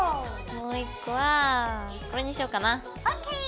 もう１個はこれにしようかな。ＯＫ！